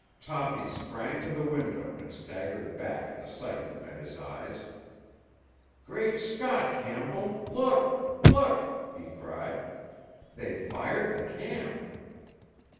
Toppy sprang to the window and staggered back at the sight that met his eyes. "Great Scot, Campbell! Look, look!" he cried. "They've fired the camp!"